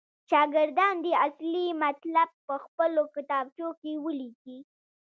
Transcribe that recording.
شاګردان دې اصلي مطلب پخپلو کتابچو کې ولیکي.